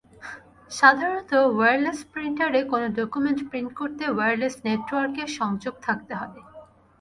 সাধারণত ওয়্যারলেস প্রিন্টারে কোনো ডকুমেন্ট প্রিন্ট করতে ওয়্যারলেস নেটওয়ার্কে সংযোগ থাকতে হয়।